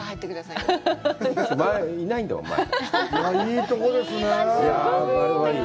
いいところですね。